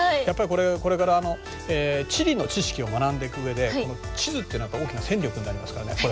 やっぱりこれから地理の知識を学んでいくうえで地図っていうのは大きな戦力になりますからね